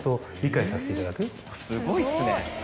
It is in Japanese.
すごいっすね。